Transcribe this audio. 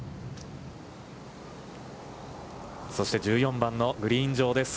そして１４番のグリーン上です。